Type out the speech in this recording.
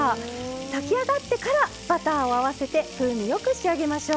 炊き上がってからバターを合わせて風味よく仕上げましょう。